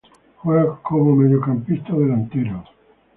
Juega como mediocampista o delantero.